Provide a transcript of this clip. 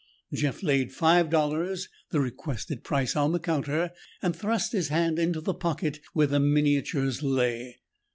Jeff laid five dollars, the requested price, on the counter and thrust his hand into the pocket where the miniatures lay.